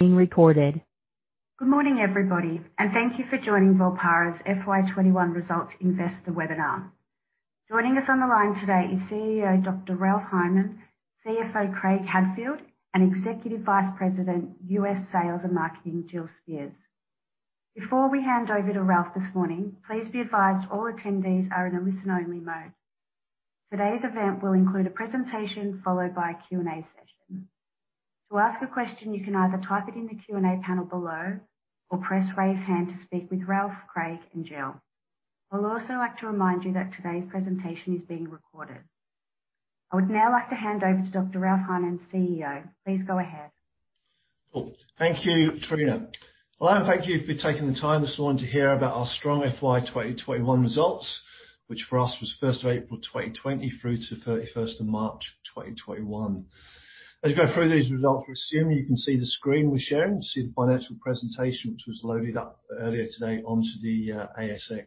Good morning, everybody. Thank you for joining Volpara's FY 2021 Results Investor Webinar. Joining us on the line today is CEO, Dr. Ralph Highnam, CFO, Craig Hadfield, and Executive Vice President, U.S. Sales and Marketing, Jill Spear. Before we hand over to Ralph this morning, please be advised all attendees are in a listen-only mode. Today's event will include a presentation followed by a Q&A session. To ask a question, you can either type it in the Q&A panel below or press raise hand to speak with Ralph, Craig, and Jill. We'd also like to remind you that today's presentation is being recorded. I would now like to hand over to Dr. Ralph Highnam, CEO. Please go ahead. Cool. Thank you, Trina. Thank you for taking the time this morning to hear about our strong FY 2021 results, which for us was April 1st, 2020, through to March 31st, 2021. As you go through these results, you can see the screen we're sharing. You can see the financial presentation, which was loaded up earlier today onto the ASX.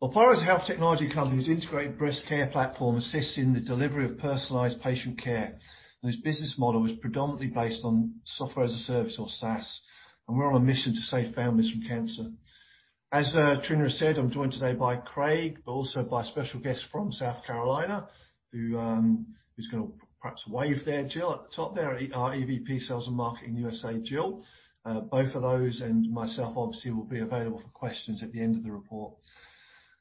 Volpara is a health technology company whose integrated breast care platform assists in the delivery of personalized patient care, whose business model is predominantly based on software as a service or SaaS. We're on a mission to save families from cancer. As Trina said, I'm joined today by Craig. Also, by special guests from South Carolina, who's going to perhaps wave there, Jill, at the top there, our EVP, Sales and Marketing U.S.A., Jill. Both of those and myself obviously will be available for questions at the end of the report.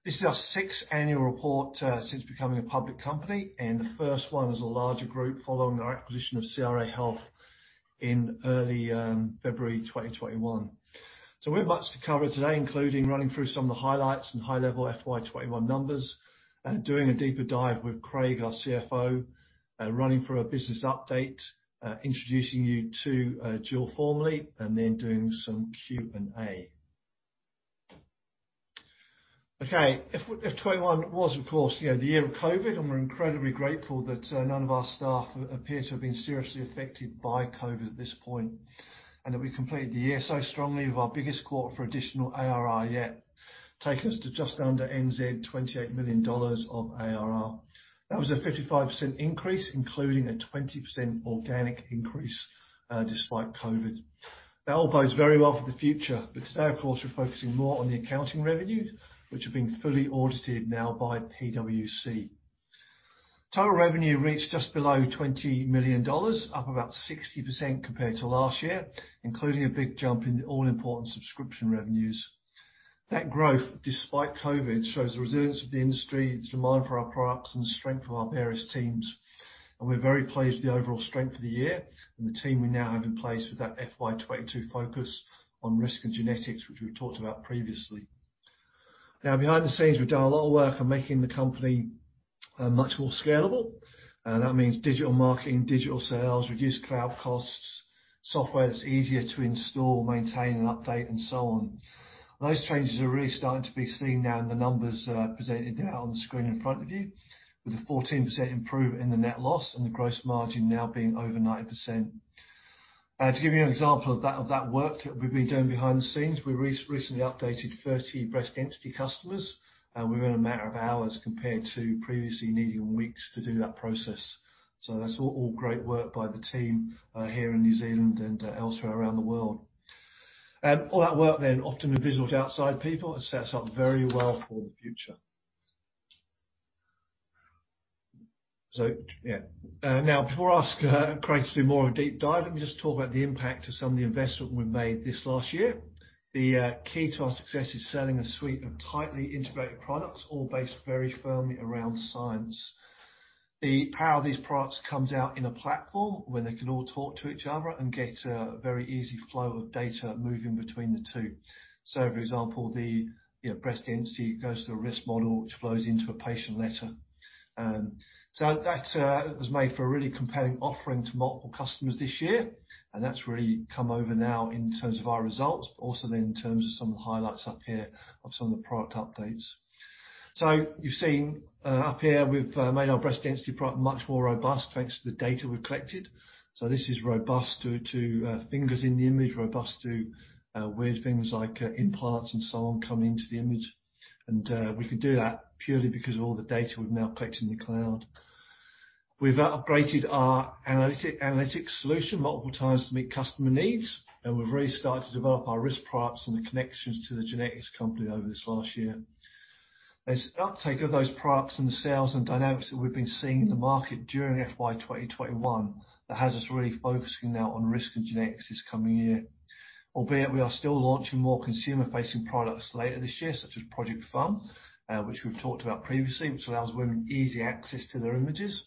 This is our sixth annual report since becoming a public company, and the first one as a larger group following our acquisition of CRA Health in early February 2021. We've lots to cover today, including running through some of the highlights and high-level FY 2021 numbers and doing a deeper dive with Craig, our CFO, running through our business update, introducing you to Jill formally, and then doing some Q&A. Okay. FY 2021 was, of course, the year of COVID, and we're incredibly grateful that none of our staff appear to have been seriously affected by COVID at this point, and that we completed the year so strongly with our biggest quarter for additional ARR yet, taking us to just under 28 million NZ dollars of ARR. That was a 55% increase, including a 20% organic increase, despite COVID. That all bodes very well for the future, because now, of course, we're focusing more on the accounting revenue, which has been fully audited now by PwC. Total revenue reached just below 20 million dollars, up about 60% compared to last year, including a big jump in the all-important subscription revenues. That growth, despite COVID, shows the resilience of the industry, the demand for our products, and the strength of our various teams, and we're very pleased with the overall strength of the year and the team we now have in place with that FY 2022 focus on risk and genetics, which we've talked about previously. Now, behind the scenes, we've done a lot of work on making the company much more scalable. That means digital marketing, digital sales, reduced cloud costs, software that's easier to install, maintain, and update, and so on. Those changes are really starting to be seen now in the numbers presented now on the screen in front of you, with a 14% improvement in the net loss and the gross margin now being over 90%. To give you an example of that work that we've been doing behind the scenes, we recently updated 30 breast density customers within a matter of hours compared to previously needing weeks to do that process. That's all great work by the team here in New Zealand and elsewhere around the world. All that work then, often invisible to outside people, has set us up very well for the future. Yeah. Before I ask Craig to do more of a deep dive, let me just talk about the impact of some of the investment we've made this last year. The key to our success is selling a suite of tightly integrated products, all based very firmly around science. The power of these products comes out in a platform where they can all talk to each other and gets a very easy flow of data moving between the two. For example, the breast density goes to the risk model, which flows into a patient letter. That was made for a really compelling offering to multiple customers this year, and that's really come over now in terms of our results, but also then in terms of some highlights up here of some of the product updates. You're seeing up here we've made our breast density product much more robust thanks to the data we've collected. This is robust to fingers in the image, robust to weird things like implants and so on coming into the image. We can do that purely because of all the data we've now collected in the cloud. We've upgraded our analytics solution multiple times to meet customer needs, and we've really started to develop our risk products and the connections to the genetics company over this last year. It's the uptake of those products and the sales and dynamics that we've been seeing in the market during FY 2021 that has us really focusing now on risk and genetics this coming year. Albeit we are still launching more consumer-facing products later this year, such as Project Thumb, which we've talked about previously, which allows women easy access to their images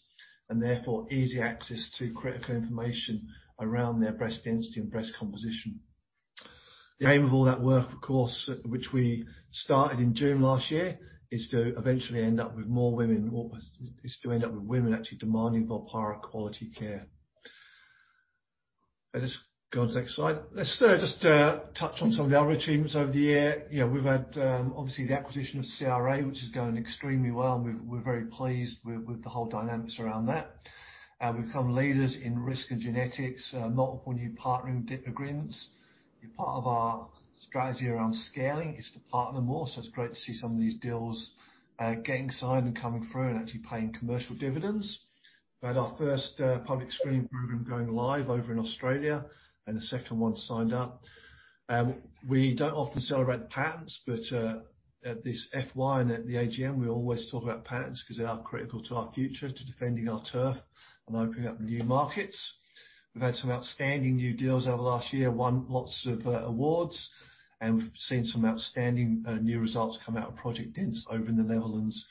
and therefore easy access to critical information around their breast density and breast composition. The aim of all that work, of course, which we started in June last year, is to end up with women actually demanding Volpara quality care. I'll just go on to the next slide. Let's just touch on some of the other achievements over the year. Yeah, we've had obviously the acquisition of CRA, which is going extremely well. We're very pleased with the whole dynamics around that. We've become leaders in risk and genetics, not only partnering with deCODE genetics, part of our strategy around scaling is to partner more. It's great to see some of these deals getting signed and coming through and actually paying commercial dividends. We had our first public screening program going live over in Australia, and the second one signed up. We don't often talk about patents, but at this FY and at the AGM, we always talk about patents because they are critical to our future, to defending our turf, and opening up new markets. We've had some outstanding new deals over the last year, won lots of awards, and we've seen some outstanding new results come out of DENSE trial over in the Netherlands.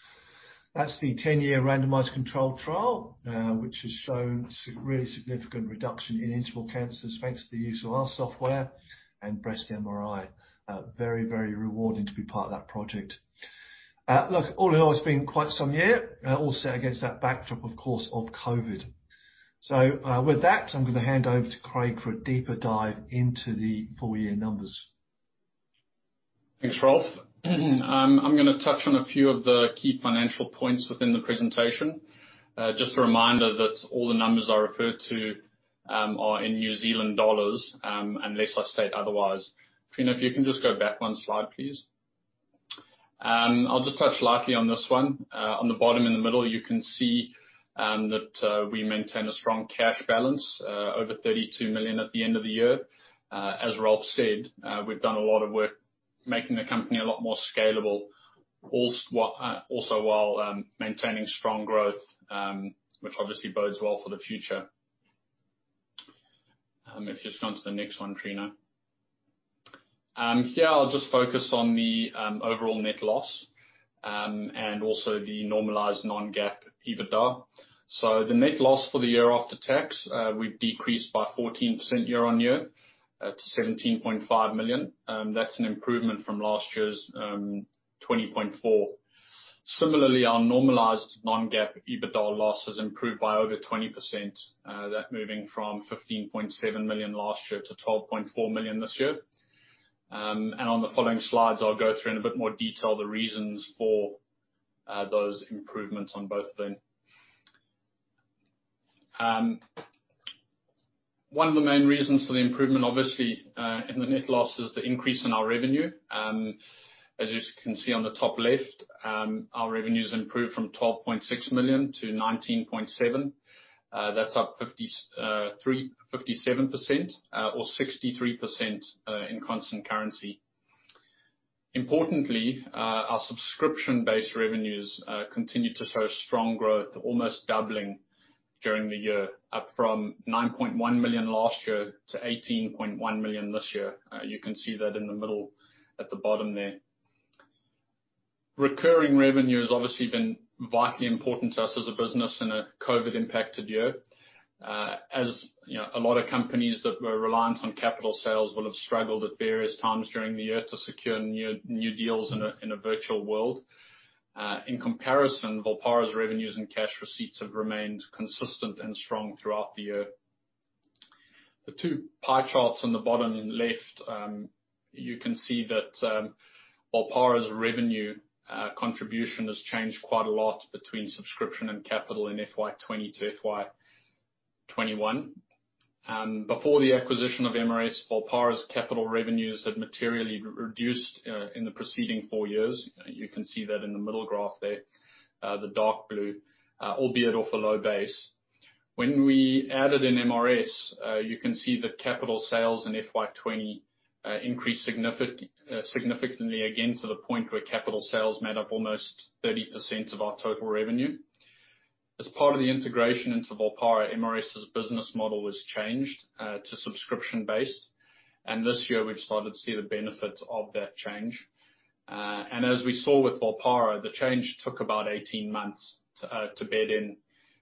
That's the 10-year randomized control trial, which has shown really significant reduction in interval cancers thanks to the use of our software and breast MRI. Very rewarding to be part of that project. Look, all in all, it's been quite some year, also against that backdrop, of course, of COVID. With that, I'm going to hand over to Craig for a deeper dive into the full year numbers. Thanks, Ralph. I'm going to touch on a few of the key financial points within the presentation. Just a reminder that all the numbers I refer to are in New Zealand dollars, unless I state otherwise. Trina, if you can just go back one slide, please. I'll just touch lightly on this one. On the bottom in the middle, you can see that we maintain a strong cash balance, over 32 million at the end of the year. As Ralph said, we've done a lot of work making the company a lot more scalable, also while maintaining strong growth, which obviously bodes well for the future. If you just come to the next one, Trina. Here I'll just focus on the overall net loss, and also the normalized non-GAAP EBITDA. The net loss for the year after tax, we've decreased by 14% year-on-year to 17.5 million. That's an improvement from last year's 20.4. Our normalized non-GAAP EBITDA loss has improved by over 20%, moving from 15.7 million last year to 12.4 million this year. On the following slides, I'll go through in a bit more detail the reasons for those improvements on both of them. One of the main reasons for the improvement, obviously, in the net loss is the increase in our revenue. As you can see on the top left, our revenue's improved from 12.6 million to 19.7 million. That's up 57%, or 63% in constant currency. Importantly, our subscription-based revenues continue to show strong growth, almost doubling during the year, up from 9.1 million last year to 18.1 million this year. You can see that in the middle at the bottom there. Recurring revenue has obviously been vitally important to us as a business in a COVID-impacted year. As a lot of companies that were reliant on capital sales will have struggled at various times during the year to secure new deals in a virtual world. In comparison, Volpara's revenues and cash receipts have remained consistent and strong throughout the year. The two pie charts on the bottom left, you can see that Volpara's revenue contribution has changed quite a lot between subscription and capital in FY 2020 to FY 2021. Before the acquisition of MRS, Volpara's capital revenues had materially reduced in the preceding four years. You can see that in the middle graph there, the dark blue, albeit off a low base. When we added in MRS, you can see that capital sales in FY 2020 increased significantly again to the point where capital sales made up almost 30% of our total revenue. As part of the integration into Volpara, MRS's business model was changed to subscription-based, and this year we started to see the benefits of that change. As we saw with Volpara, the change took about 18 months to bed in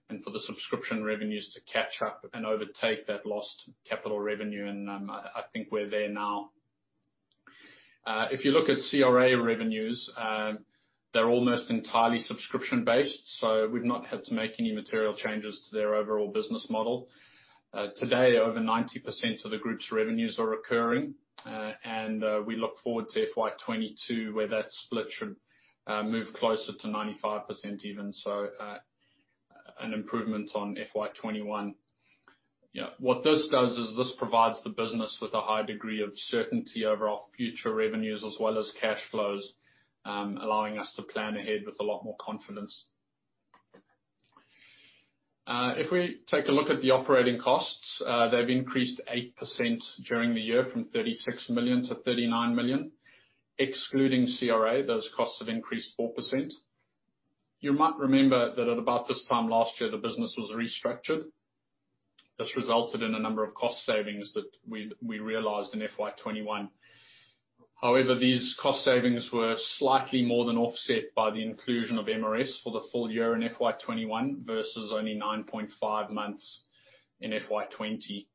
and for the subscription revenues to catch up and overtake that lost capital revenue, and I think we're there now. If you look at CRA revenues, they're almost entirely subscription-based, so we've not had to make any material changes to their overall business model. Today, over 90% of the group's revenues are recurring, and we look forward to FY 2022, where that split should move closer to 95% even so, an improvement on FY 2021. What this does is this provides the business with a high degree of certainty over our future revenues as well as cash flows, allowing us to plan ahead with a lot more confidence. If we take a look at the operating costs, they've increased 8% during the year from 36 million to 39 million. Excluding CRA, those costs have increased 4%. You might remember that at about this time last year, the business was restructured. This resulted in a number of cost savings that we realized in FY 2021. These cost savings were slightly more than offset by the inclusion of MRS for the full year in FY 2021, versus only 9.5 months in FY 2020.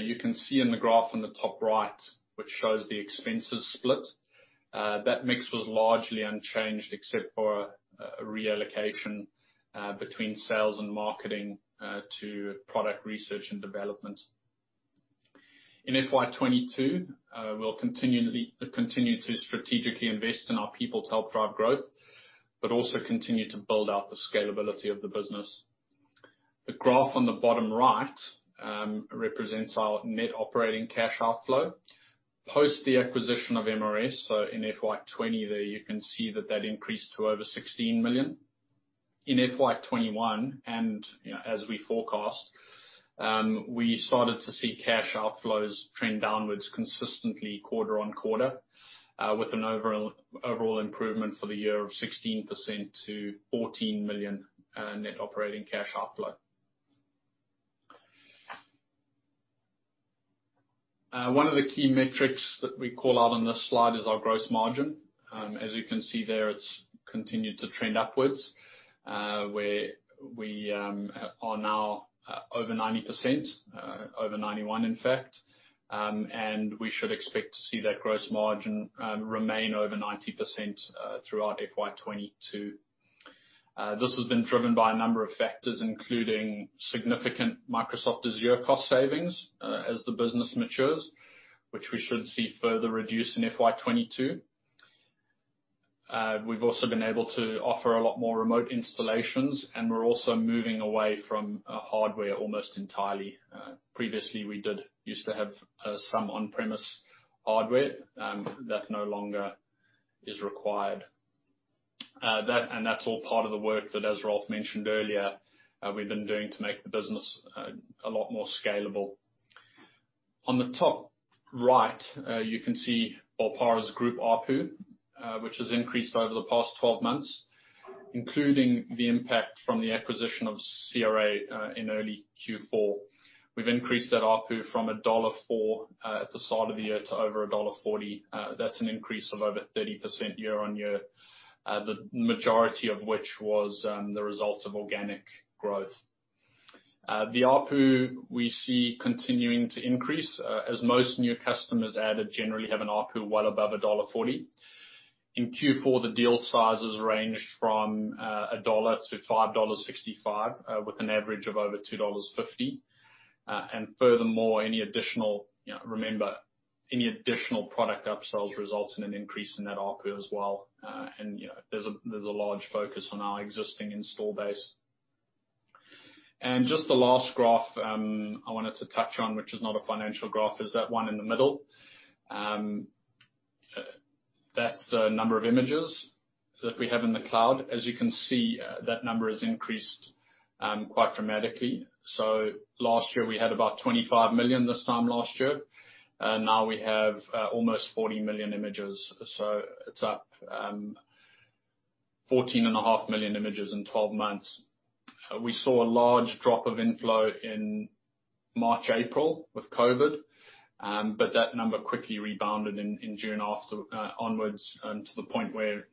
You can see in the graph on the top right, which shows the expenses split. That mix was largely unchanged except for a reallocation between sales and marketing to product research and development. In FY 2022, we'll continue to strategically invest in our people to help drive growth but also continue to build out the scalability of the business. The graph on the bottom right represents our net operating cash outflow. Post the acquisition of MRS, so in FY 2020 there you can see that increased to over 16 million. In FY 2021 and as we forecast, we started to see cash outflows trend downwards consistently quarter-on-quarter, with an overall improvement for the year of 16% to 14 million net operating cash outflow. One of the key metrics that we call out on this slide is our gross margin. As you can see there, it's continued to trend upwards, where we are now over 90%, over 91%, in fact. We should expect to see that gross margin remain over 90% throughout FY 2022. This has been driven by a number of factors, including significant Microsoft Azure cost savings, as the business matures, which we should see further reduce in FY 2022. We've also been able to offer a lot more remote installations, and we're also moving away from hardware almost entirely. Previously, we did used to have some on-premise hardware. That no longer is required. That's all part of the work that, as Ralph mentioned earlier, we've been doing to make the business a lot more scalable. On the top right, you can see Volpara's group ARPU, which has increased over the past 12 months, including the impact from the acquisition of CRA in early Q4. We've increased that ARPU from dollar 1.04 at the start of the year to over dollar 1.40. That's an increase of over 30% year-on-year, the majority of which was the result of organic growth. The ARPU we see continuing to increase, as most new customers added generally have an ARPU well above dollar 1.40. In Q4, the deal sizes ranged from NZD 1 to 5.65 dollars, with an average of over 2.50 dollars. Furthermore, remember, any additional product upsells results in an increase in that ARPU as well. There's a large focus on our existing install base. Just the last graph I wanted to touch on, which is not a financial graph, is that one in the middle. That's the number of images that we have in the cloud. As you can see, that number has increased quite dramatically. Last year we had about 25 million this time last year. Now we have almost 40 million images. It's up 14.5 million images in 12 months. We saw a large drop of inflow in March, April with COVID, but that number quickly rebounded in June onwards, to the point where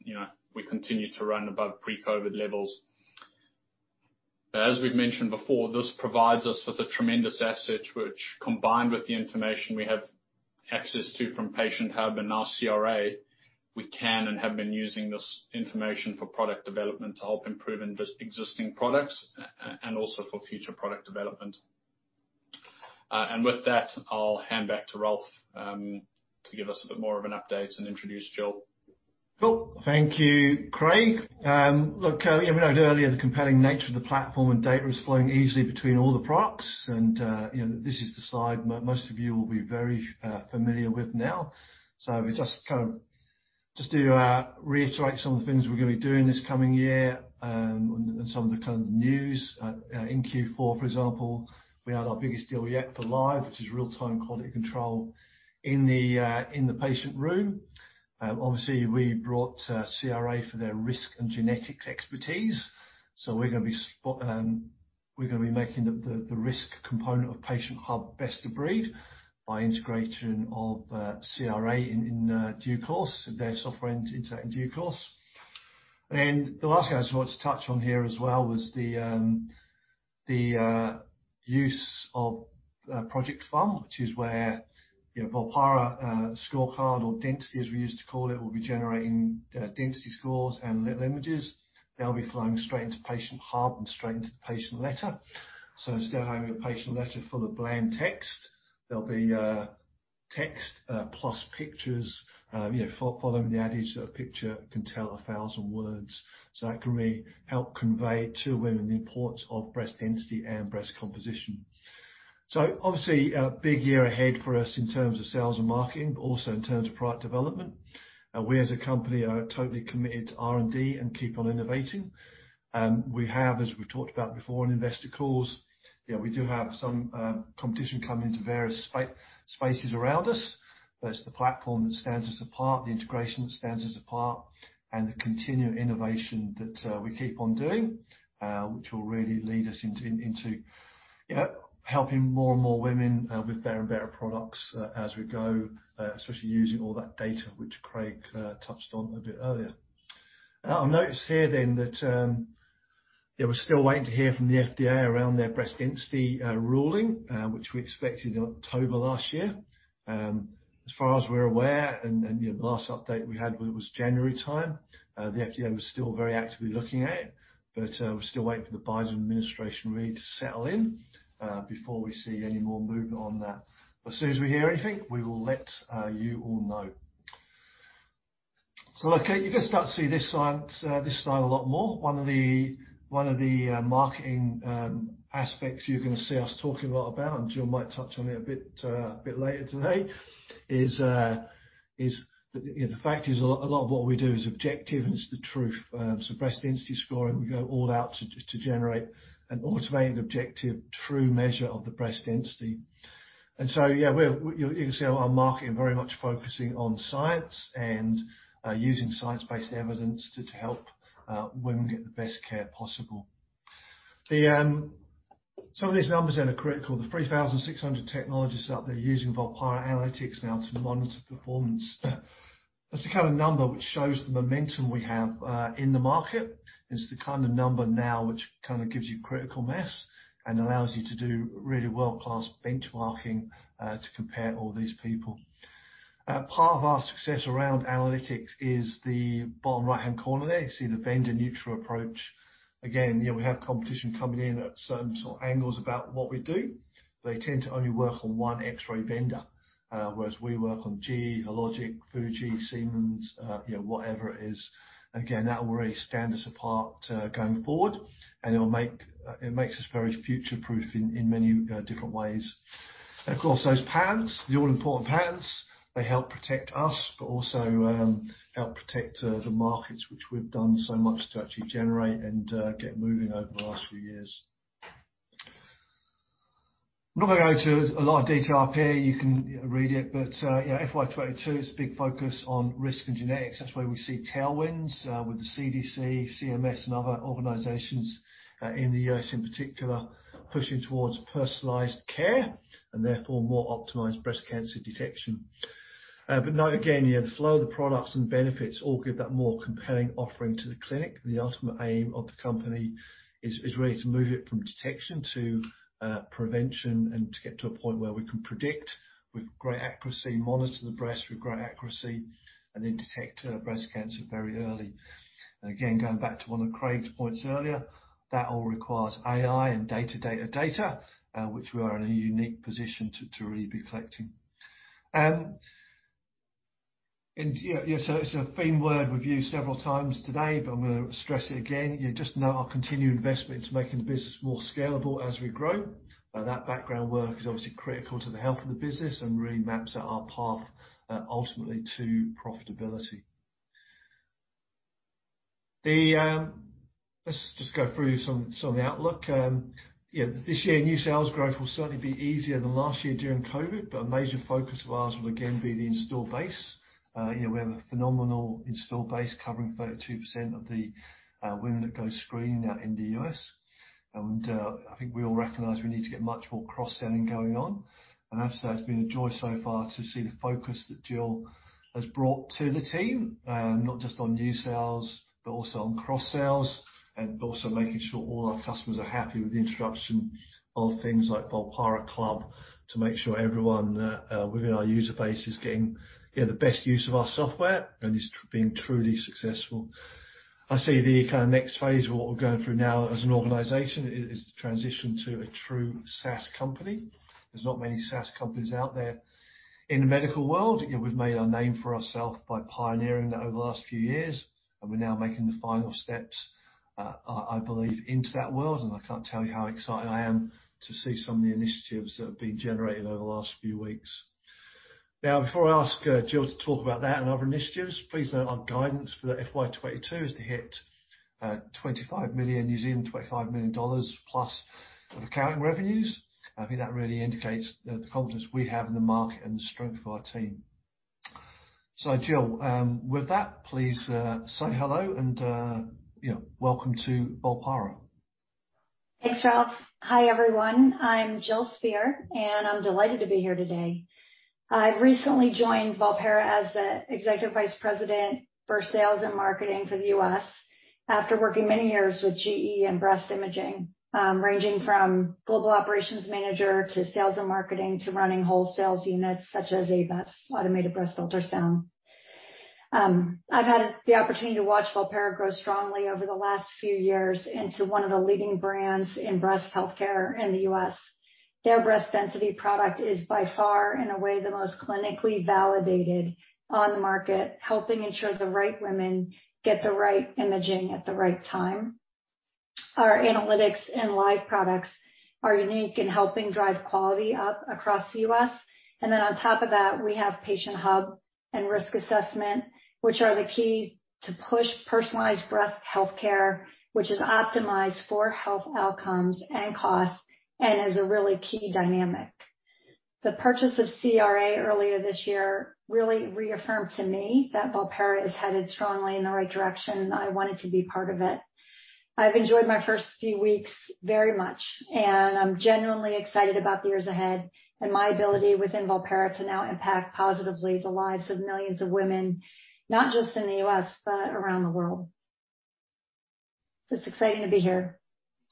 we continue to run above pre-COVID levels. As we've mentioned before, this provides us with a tremendous asset, which, combined with the information we have access to from Volpara Patient Hub and now CRA, we can and have been using this information for product development to help improve existing products and also for future product development. With that, I'll hand back to Ralph to give us a bit more of an update and introduce Jill. Thank you, Craig. We noted earlier the compelling nature of the platform and data is flowing easily between all the products. This is the slide most of you will be very familiar with now. If we just do reiterate some of the things we're going to be doing this coming year, and some of the news. In Q4, for example, we had our biggest deal yet for VolparaLive, which is real-time quality control in the patient room. Obviously, we brought CRA for their risk and genetics expertise. We're going to be making the risk component of Volpara Patient Hub best of breed by integration of CRA in due course, their software into that in due course. The last thing I just wanted to touch on here as well was the use of Project Thumb, which is where Volpara Scorecard or Density, as we used to call it, will be generating density scores and images. They'll be flowing straight into Patient Hub and straight into the patient letter. Instead of having a patient letter full of bland text, there'll be text plus pictures following the adage that a picture can tell a thousand words. That can really help convey to women the importance of breast density and breast composition. Obviously, a big year ahead for us in terms of sales and marketing, but also in terms of product development. We, as a company, are totally committed to R&D and keep on innovating. We have, as we've talked about before in investor calls, we do have some competition come into various spaces around us. It's the platform that stands us apart, the integration that stands us apart, and the continued innovation that we keep on doing, which will really lead us into helping more and more women with better and better products as we go, especially using all that data, which Craig touched on a bit earlier. I'll note here that we're still waiting to hear from the FDA around their breast density ruling, which we expected in October last year. As far as we're aware, the last update we had was January time. The FDA was still very actively looking at it, we're still waiting for the Biden administration really to settle in before we see any more movement on that. As soon as we hear anything, we will let you all know. Okay, you're going to start to see this slide a lot more. One of the marketing aspects you're going to see us talking a lot about, Jill might touch on it a bit later today, is the fact is a lot of what we do is objective and it's the truth. Breast density scoring, we go all out to generate an automated, objective, true measure of the breast density. Yeah, you can see our marketing very much focusing on science and using science-based evidence to help women get the best care possible. Some of these numbers are critical. The 3,600 technologists out there using Volpara Analytics now to monitor performance. That's the kind of number which shows the momentum we have in the market. It's the kind of number now which gives you critical mass and allows you to do really world-class benchmarking to compare all these people. Part of our success around analytics is the bottom right-hand corner there. You see the vendor-neutral approach. We have competition coming in at certain angles about what we do. They tend to only work on one X-ray vendor, whereas we work on GE, Hologic, Fuji, Siemens, whatever it is. That will really stand us apart going forward, and it makes us very future-proof in many different ways. Of course, those patents, the all-important patents, they help protect us, but also help protect the markets which we've done so much to actually generate and get moving over the last few years. I'm not going to go into a lot of detail up here. You can read it. Yeah, FY 2022 is a big focus on risk and genetics. That's where we see tailwinds with the CDC, CMS, and other organizations in the U.S. in particular, pushing towards personalized care and therefore more optimized breast cancer detection. Again, the flow of the products and benefits all give that more compelling offering to the clinic. The ultimate aim of the company is really to move it from detection to prevention and get to a point where we can predict with great accuracy, monitor the breast with great accuracy, and indicate breast cancer very early. Again, going back to one of Craig's points earlier, that all requires AI and data, data, which we are in a unique position to really be collecting. It's a theme word we've used several times today, but I'm going to stress it again. Just know our continued investment to making the business more scalable as we grow. That background work is obviously critical to the health of the business and really maps out our path ultimately to profitability. Let's just go through some of the outlook. This year, new sales growth will certainly be easier than last year during COVID, but a major focus of ours will again be the install base. We have a phenomenal install base covering 32% of the women that go screening in the U.S. I think we all recognize we need to get much more cross-selling going on. As I say, it's been a joy so far to see the focus that Jill has brought to the team, not just on new sales, but also on cross-sales. Also making sure all our customers are happy with the introduction of things like Volpara Club to make sure everyone within our user base is getting the best use of our software and is being truly successful. I say the next phase, what we're going through now as an organization, is the transition to a true SaaS company. There's not many SaaS companies out there in the medical world. We've made a name for ourselves by pioneering that over the last few years, and we're now making the final steps, I believe, into that world, and I can't tell you how excited I am to see some of the initiatives that have been generated over the last few weeks. Before I ask Jill to talk about that and other initiatives, please note our guidance for the FY 2022 is to hit 25 million dollars, using 25 million dollars plus of recurring revenues. I think that really indicates the confidence we have in the market and the strength of our team. Jill, with that, please say hello and welcome to Volpara. Thanks, Ralph. Hi, everyone. I'm Jill Spear, and I'm delighted to be here today. I recently joined Volpara as the Executive Vice President for Sales and Marketing for the U.S. after working many years with GE in breast imaging, ranging from global operations manager to sales and marketing to running wholesale units such as ABUS, Automated Breast Ultrasound. I've had the opportunity to watch Volpara grow strongly over the last few years into one of the leading brands in breast healthcare in the U.S. Their breast density product is by far in a way the most clinically validated on the market, helping ensure the right women get the right imaging at the right time. Our analytics and VolparaLive products are unique in helping drive quality up across the U.S. On top of that, we have Volpara Patient Hub and risk assessment, which are the key to push personalized breast healthcare, which is optimized for health outcomes and costs and is a really key dynamic. The purchase of CRA earlier this year really reaffirmed to me that Volpara is headed strongly in the right direction, and I wanted to be part of it. I've enjoyed my first few weeks very much, and I'm genuinely excited about the years ahead and my ability within Volpara to now impact positively the lives of millions of women, not just in the U.S., but around the world. It's exciting to be here.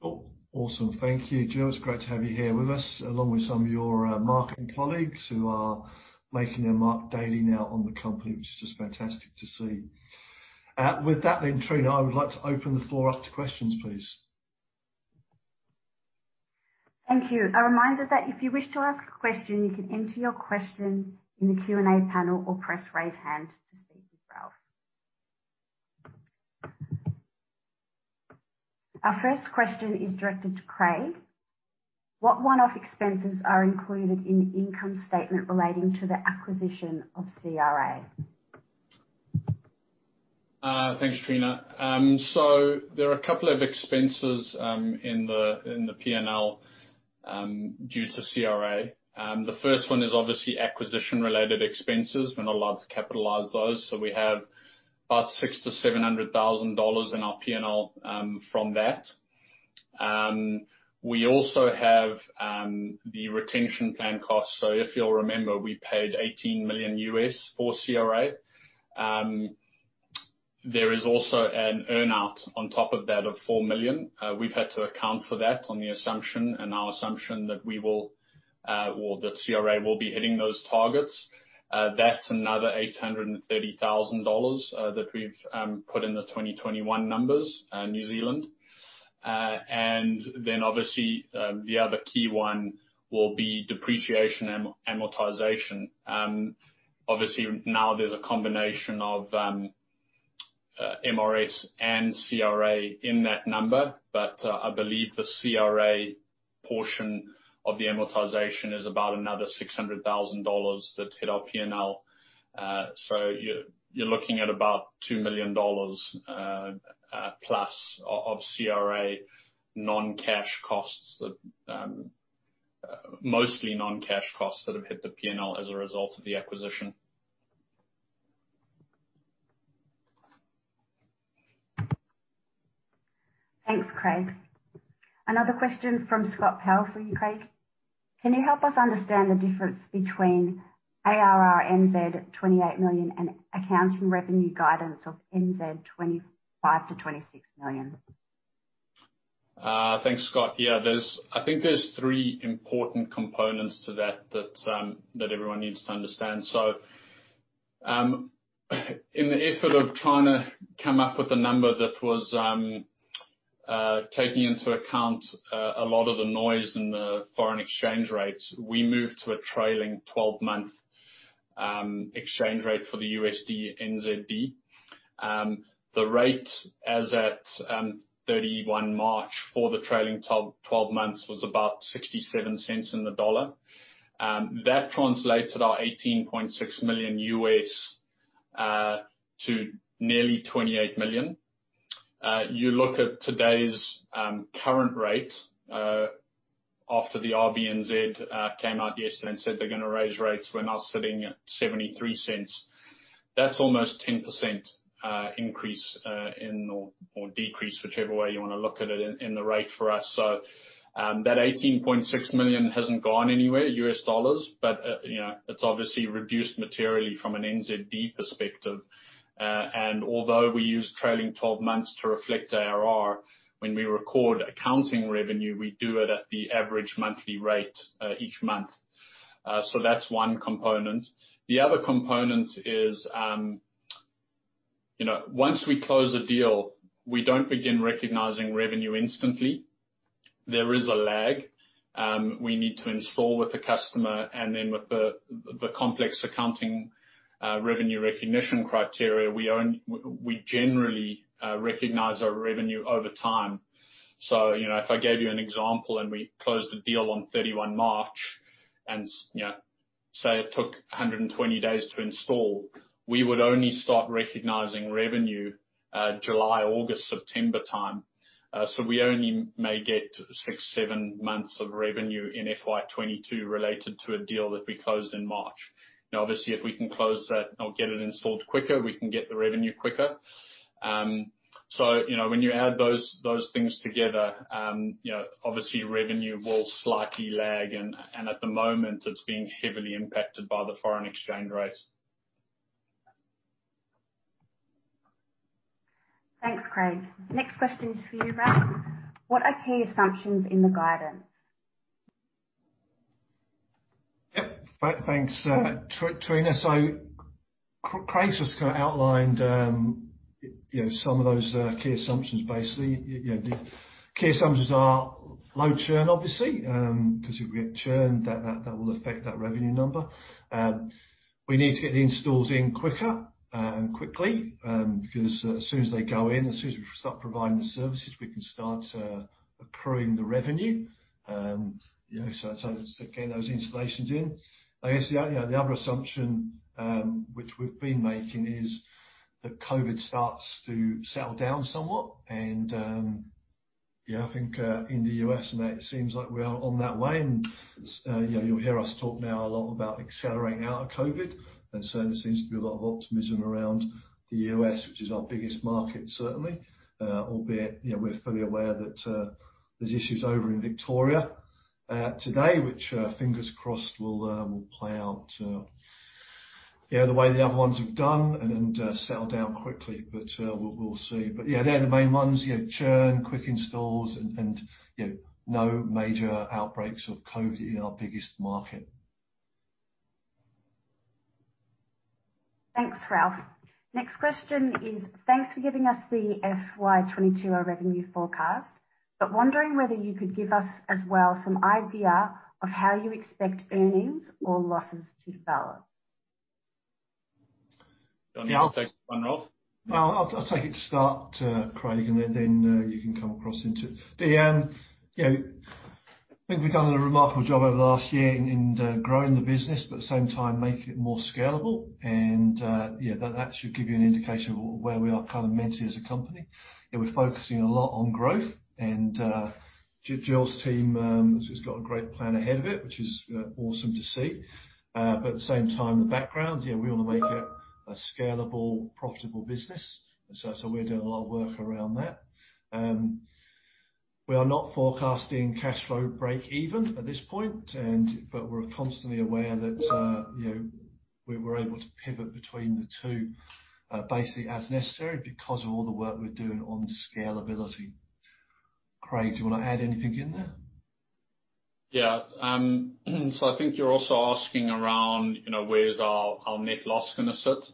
Cool. Awesome. Thank you, Jill. It's great to have you here with us, along with some of your marketing colleagues who are making their mark daily now on the company, which is just fantastic to see. With that being said, I would like to open the floor up to questions, please. Thank you. A reminder that if you wish to ask a question, you can enter your question in the Q&A panel or press raise hand to speak with Ralph. Our first question is directed to Craig. What one-off expenses are included in the income statement relating to the acquisition of CRA? Thanks, Trina. There are a couple of expenses in the P&L due to CRA. The first one is obviously acquisition-related expenses. We're not allowed to capitalize those. We have about 600,000-700,000 dollars in our P&L from that. We also have the retention plan cost. If you'll remember, we paid $18 million for CRA. There is also an earn-out on top of that of 4 million. We've had to account for that on our assumption that we will that CRA will be hitting those targets. That's another 830,000 dollars that we've put in the 2021 numbers, New Zealand. Obviously, the other key one will be depreciation amortization. Obviously, now there's a combination of MRS and CRA in that number, but I believe the CRA portion of the amortization is about another 600,000 dollars that hit our P&L. You're looking at about 2 million dollars+ of CRA non-cash costs that, mostly non-cash costs that have hit the P&L as a result of the acquisition. Thanks, Craig. Another question from Scott Pelton, Craig. Can you help us understand the difference between ARR 28 million and accounting revenue guidance of 25 million-26 million? Thanks, Scott. I think there's three important components to that everyone needs to understand. In the effort of trying to come up with a number that was taking into account a lot of the noise in the foreign exchange rates, we moved to a trailing 12-month exchange rate for the USD/NZD. The rate as at 31 March for the trailing 12 months was about 0.67. That translates about $18.6 million to nearly 28 million. You look at today's current rate after the RBNZ came out yesterday and said they're going to raise rates. We're now sitting at 0.73. That's almost 10% increase or decrease, whichever way you want to look at it, in the rate for us. That $18.6 million hasn't gone anywhere, U.S. dollars, but it's obviously reduced materially from an NZD perspective. Although we use trailing 12 months to reflect ARR, when we record accounting revenue, we do it at the average monthly rate each month. That's one component. The other component is, once we close a deal, we don't begin recognizing revenue instantly. There is a lag. We need to install with the customer, and then with the complex accounting revenue recognition criteria, we generally recognize our revenue over time. If I gave you an example and we closed a deal on March 31, and say it took 120 days to install, we would only start recognizing revenue July, August, September time. We only may get six, seven months of revenue in FY 2022 related to a deal that we closed in March. Now obviously, if we can close that or get it installed quicker, we can get the revenue quicker. When you add those things together, obviously revenue will slightly lag, and at the moment, it's being heavily impacted by the foreign exchange rate. Thanks, Craig. Next question is for you, Ralph. What are key assumptions in the guidance? Yep. Thanks, Trina. Craig's just outlined some of those key assumptions basically. The key assumptions are low churn, obviously, because if we get churn that will affect that revenue number. We need to get installs in quicker, quickly, because as soon as they go in, as soon as we start providing the services, we can start accruing the revenue. It's getting those installations in. I guess, the other assumption, which we've been making is that COVID starts to settle down somewhat, and I think, in the U.S. now it seems like we are on that lane. You'll hear us talk now a lot about accelerating out of COVID, there seems to be a lot of optimism around the U.S., which is our biggest market, certainly. Albeit, we're fully aware that there's issues over in Victoria today, which fingers crossed will play out the way the other ones have done and then settle down quickly. We'll see. Yeah, they're the main ones: Churn, quick installs, and no major outbreaks of COVID in our biggest market. Thanks, Ralph. Next question is, thanks for giving us the FY 2022 revenue forecast, but wondering whether you could give us as well some idea of how you expect earnings or losses to develop. Do you want me to take this one, Ralph? I'll take it to start, Craig, and then you can come across into it. I think we've done a remarkable job over the last year in growing the business, but at the same time making it more scalable. That should give you an indication of where we are mentally as a company. We're focusing a lot on growth, and Jill's team has just got a great plan ahead of it, which is awesome to see. At the same time, the background, we want to make it a scalable, profitable business. We're doing a lot of work around that. We are not forecasting cash flow breakeven at this point. We're constantly aware that we were able to pivot between the two basically as necessary because of all the work we're doing on scalability. Craig, do you want to add anything in there? I think you're also asking around, where's our net loss going to sit.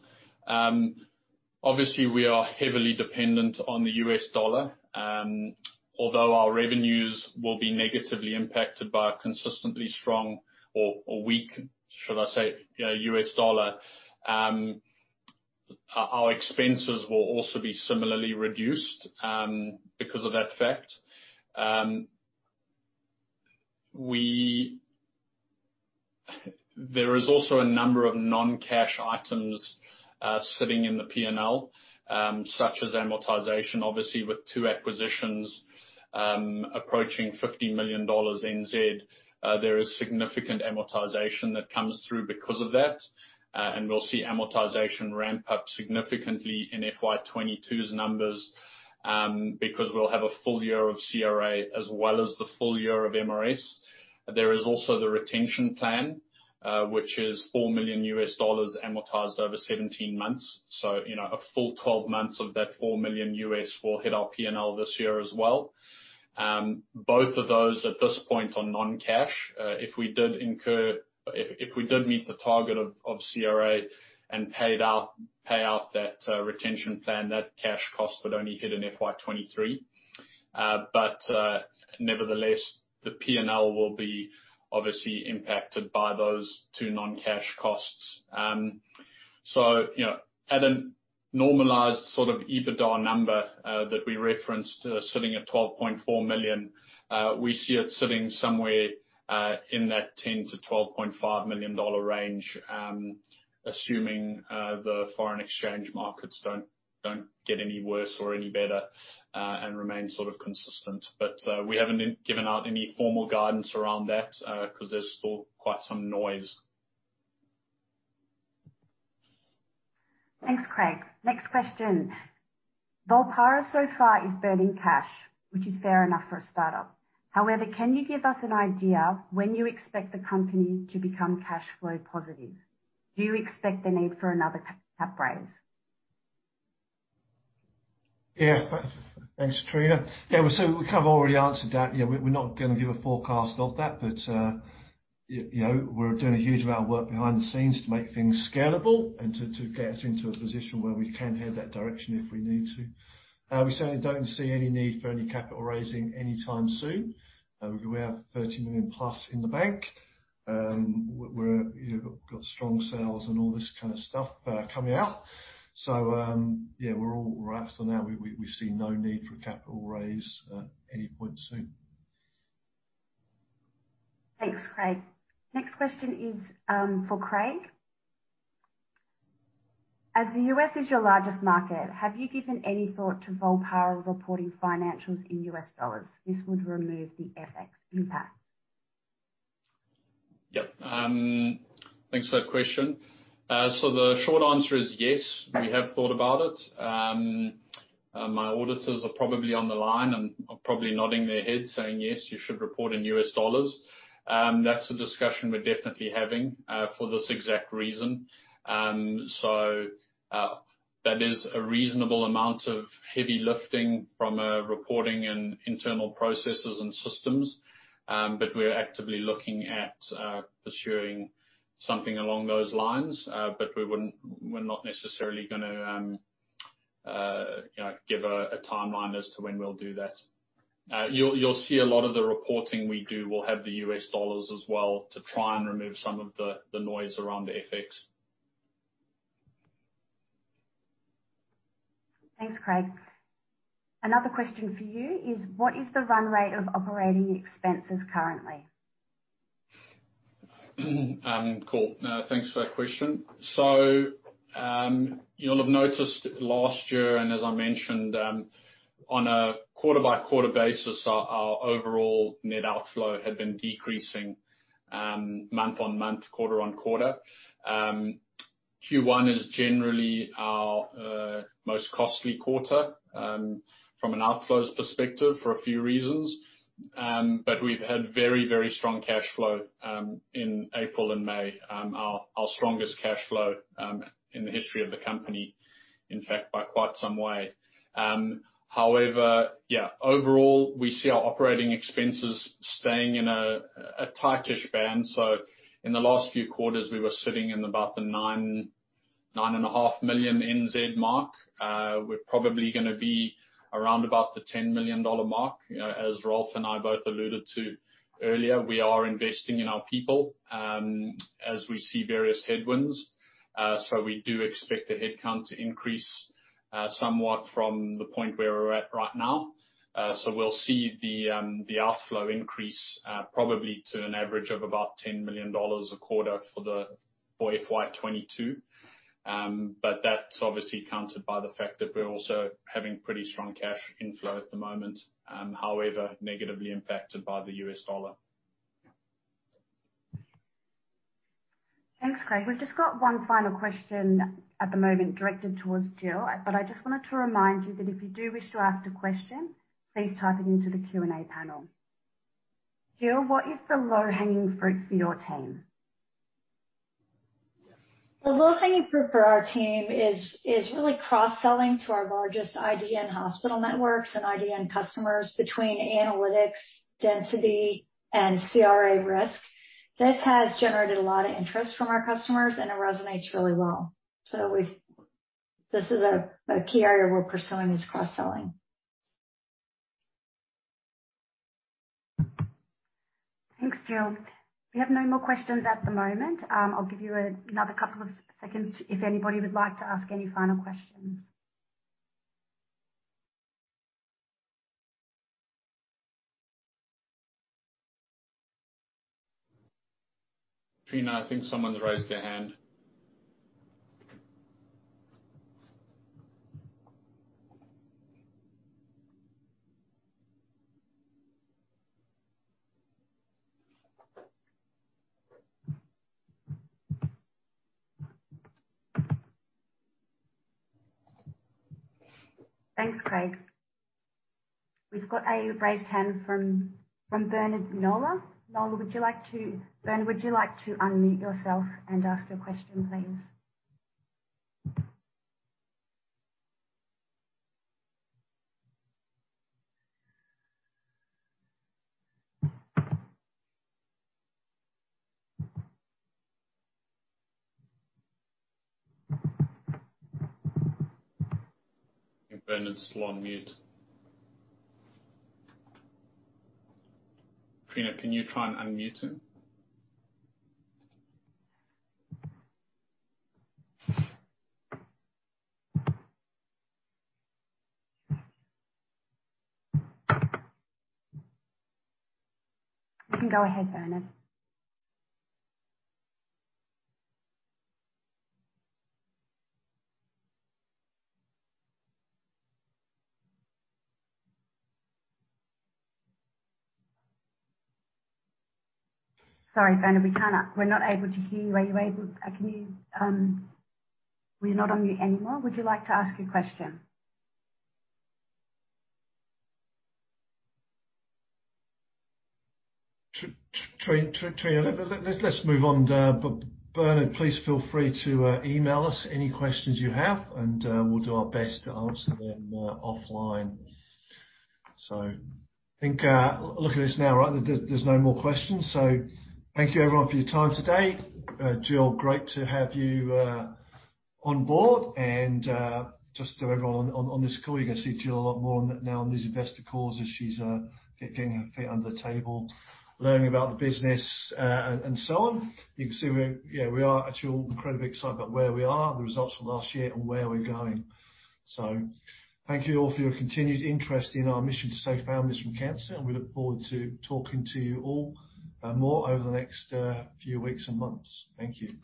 Obviously, we are heavily dependent on the U.S. dollar. Although our revenues will be negatively impacted by a consistently strong or weak, should I say, U.S. dollar, our expenses will also be similarly reduced because of that fact. There is also a number of non-cash items sitting in the P&L, such as amortization, obviously, with two acquisitions approaching 50 million NZ dollars. There is significant amortization that comes through because of that. We'll see amortization ramp up significantly in FY 2022's numbers, because we'll have a full year of CRA as well as the full year of MRS. There is also the retention plan, which is $4 million amortized over 17 months. A full 12 months of that $4 million will hit our P&L this year as well. Both of those at this point are non-cash. If we did meet the target of CRA and pay out that retention plan, that cash cost would only hit in FY 2023. Nevertheless, the P&L will be obviously impacted by those two non-cash costs. At a normalized EBITDA number that we referenced sitting at 12.4 million, we see it sitting somewhere in that 10 million-12.5 million dollar range, assuming the foreign exchange markets don't get any worse or any better and remain consistent. We haven't given out any formal guidance around that, because there's still quite some noise. Thanks, Craig. Next question. Volpara so far is burning cash, which is fair enough for a startup. Can you give us an idea when you expect the company to become cash flow positive? Do you expect the need for another capital raise? Yeah. Thanks, Trina. We kind of already answered that. We're not going to give a forecast of that, but we're doing a huge amount of work behind the scenes to make things scalable and to get us into a position where we can head that direction if we need to. We certainly don't see any need for any capital raising anytime soon. We have 30 million+ in the bank. We've got strong sales and all this kind of stuff coming out. Yeah, we're all right for now. We see no need for capital raise anytime soon. Thanks, Craig. Next question is for Craig. As the U.S. is your largest market, have you given any thought to Volpara reporting financials in U.S. dollars? This would remove the FX impact. Thanks for that question. The short answer is yes, we have thought about it. My auditors are probably on the line and probably nodding their heads saying, "Yes, you should report in U.S. dollars." That's a discussion we're definitely having for this exact reason. That is a reasonable amount of heavy lifting from a reporting and internal processes and systems. We're actively looking at pursuing something along those lines. We're not necessarily going to give a timeline as to when we'll do that. You'll see a lot of the reporting we do will have the U.S. dollars as well to try and remove some of the noise around the FX. Thanks, Craig. Another question for you is what is the run rate of operating expenses currently? Cool. Thanks for that question. You'll have noticed last year, and as I mentioned, on a quarter-by-quarter basis, our overall net outflow had been decreasing month on month, quarter on quarter. Q1 is generally our most costly quarter from an outflow's perspective for a few reasons. We've had very strong cash flow in April and May, our strongest cash flow in the history of the company, in fact, by quite some way. However, overall, we see our operating expenses staying in a tight-ish band. In the last few quarters, we were sitting in about the 9.5 million mark. We're probably going to be around about the 10 million dollar mark. As Ralph and I both alluded to earlier, we are investing in our people as we see various headwinds. We do expect the headcount to increase somewhat from the point where we're at right now. We'll see the outflow increase probably to an average of about 10 million dollars a quarter for FY 2022. That's obviously countered by the fact that we're also having pretty strong cash inflow at the moment, however, negatively impacted by the U.S. dollar. Thanks, Craig. We've just got one final question at the moment directed towards Jill. I just wanted to remind you that if you do wish to ask a question, please type it into the Q&A panel. Jill, what is the low-hanging fruit for your team? The low-hanging fruit for our team is really cross-selling to our largest IDN hospital networks and IDN customers between analytics, density, and CRA risk. This has generated a lot of interest from our customers, and it resonates really well. This is a key area we're pursuing, is cross-selling. Thanks, Jill. We have no more questions at the moment. I'll give you another couple of seconds if anybody would like to ask any final questions. Trina, I think someone's raised their hand. Thanks, Craig. We've got a raised hand from Bernard Nola. Bernard, would you like to unmute yourself and ask your question, please? I think Bernard's still on mute. Trina, can you try and unmute him? You can go ahead, Bernard. Sorry, Bernard, we're not able to hear you. Are you not on mute anymore? Would you like to ask your question? Trina, let's move on. Bernard, please feel free to email us any questions you have, and we'll do our best to answer them offline. I think looking at this now, there's no more questions. Thank you everyone for your time today. Jill, great to have you on board. Just to everyone on this call, you're going to see Jill a lot more now on these investor calls as she's getting her feet under the table, learning about the business and so on. You can see, we are actually incredibly excited about where we are, the results for last year, and where we're going. Thank you all for your continued interest in our mission to save families from cancer, and we look forward to talking to you all more over the next few weeks and months. Thank you.